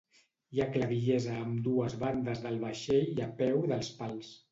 Hi ha clavillers a ambdues bandes del vaixell i a peu dels pals.